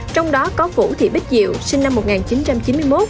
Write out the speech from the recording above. trong đó có vũ thị bích diệu sinh năm một nghìn chín trăm chín mươi một